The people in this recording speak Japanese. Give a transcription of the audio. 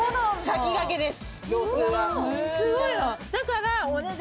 すごいの。